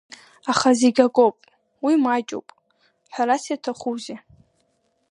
Аха зегьакоуп, уи маҷуп, ҳәарас иаҭахузеи?!